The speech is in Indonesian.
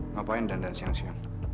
ngapain dandan siang siang